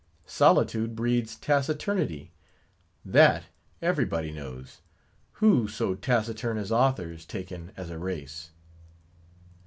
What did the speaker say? Solitude breeds taciturnity; that every body knows; who so taciturn as authors, taken as a race?